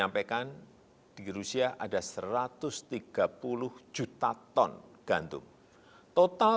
dan persoalan karena namanya tidak terkait bisa terus berangkat terhadap